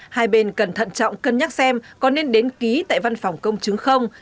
hai bên cần thận trọng cân nhắc xem có nên đến ký tại văn phòng công chứng không